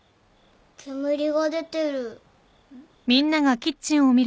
煙が出てる。